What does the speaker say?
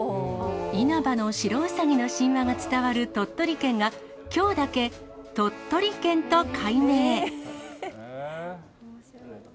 因幡の白兎の神話が伝わる鳥取県が、きょうだけ、兎取県と改名。